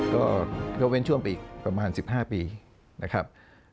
ก็เว้นช่วงไปอีกประมาณ๑๕ปีนะครับ